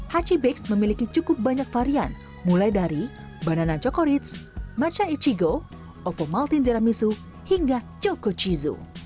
hachi bakes memiliki cukup banyak varian mulai dari banana choco ritz matcha ichigo ovo malte tiramisu hingga choco chizu